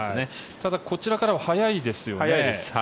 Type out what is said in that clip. ただ、こちらからは速いですよね。